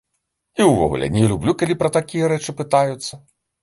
І ўвогуле не люблю, калі пра такія рэчы пытаюцца.